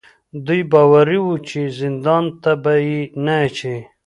دوی باوري وو چې زندان ته به یې نه اچوي.